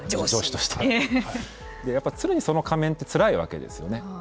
ときにその仮面ってつらいわけですよね。